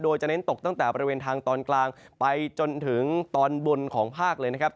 โดยจะเน้นตกตั้งแต่บริเวณทางตอนกลางไปจนถึงตอนบนของภาคเลยนะครับ